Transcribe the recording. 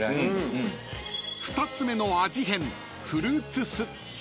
［２つ目の味変フルーツ酢］